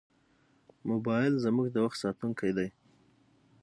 موبایل زموږ د وخت ساتونکی دی.